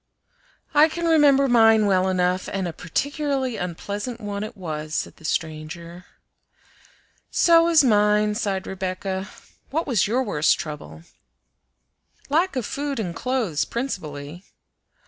"I can remember mine well enough, and a particularly unpleasant one it was," said the stranger. "So was mine," sighed Rebecca. "What was your worst trouble?" "Lack of food and clothes principally."